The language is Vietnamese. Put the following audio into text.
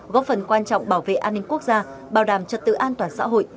góp phần quan trọng bảo vệ an ninh quốc gia bảo đảm trật tự an toàn xã hội